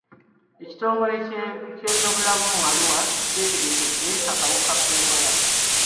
Ekitongole ky'ebyobulamu mu Arua kyetegekedde akawuka ka Ebola.